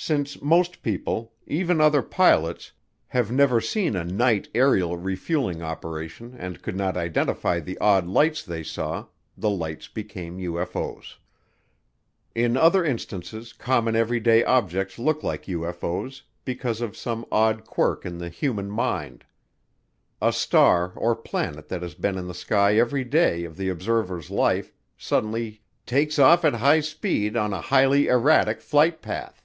Since most people, even other pilots, have never seen a night aerial refueling operation and could not identify the odd lights they saw, the lights became UFO's. In other instances common everyday objects look like UFO's because of some odd quirk in the human mind. A star or planet that has been in the sky every day of the observer's life suddenly "takes off at high speed on a highly erratic flight path."